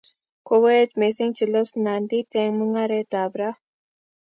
Kokoet mising chelesosnandit eng mung'aretab ra